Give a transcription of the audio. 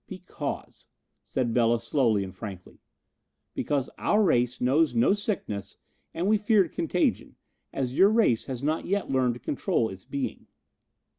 "Because," said Bela, slowly and frankly, "because our race knows no sickness and we feared contagion, as your race has not yet learned to control its being."